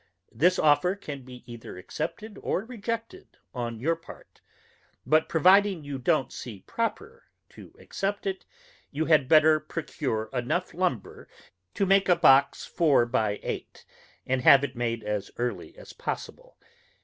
This offer can be either accepted or rejected on your part: but providing you don't see proper to accept it, you had better procure enough lumber to make a box 4x8, and have it made as early as possible.